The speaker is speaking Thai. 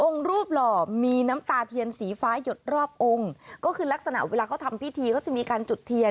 รูปหล่อมีน้ำตาเทียนสีฟ้าหยดรอบองค์ก็คือลักษณะเวลาเขาทำพิธีเขาจะมีการจุดเทียน